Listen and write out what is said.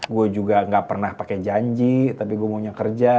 gue juga gak pernah pakai janji tapi gue maunya kerja